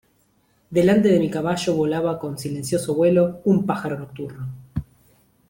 delante de mi caballo volaba, con silencioso vuelo , un pájaro nocturno: